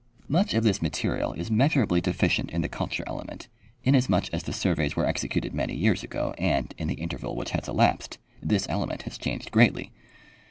Much of this material is measurably deficient in the culture element, inasmuch as the surveys were executed many years ago and, in the interval Avhich has elapsed, this element has changed greatly.